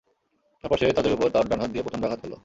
তারপর সে তাদের উপর তার ডান হাত দিয়ে প্রচণ্ড আঘাত হানল।